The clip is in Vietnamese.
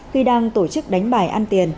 khi đang tổ chức đánh bài ăn tiền